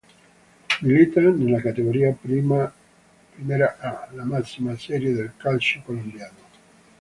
Milita nella Categoría Primera A, la massima serie del calcio colombiano.